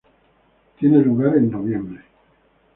Tiene lugar en noviembre.